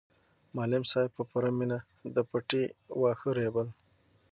معلم صاحب په پوره مینه د پټي واښه رېبل.